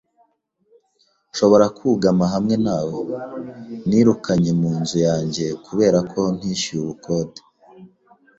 Nshobora kuguma hamwe nawe? Nirukanye mu nzu yanjye kubera ko ntishyuye ubukode.